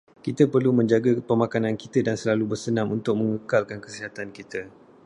Kita perlu menjaga pemakanan kita dan selalu bersenam untuk mengekalkan kesihatan kita.